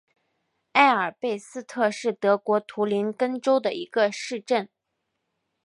埃贝尔斯特是德国图林根州的一个市镇。